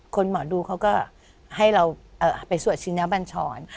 หมอดูเขาก็ให้เราไปสวดชินบัญชร